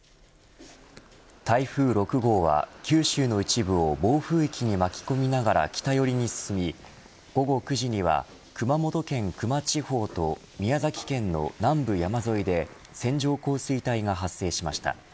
台風６号は九州の一部を暴風域に巻き込みながら北寄りに進み午後９時には熊本県球磨地方と宮崎県の南部山沿いで線状降水帯が発生しました。